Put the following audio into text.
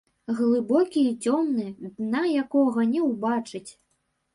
Глыбокі і цёмны, дна якога не ўбачыць.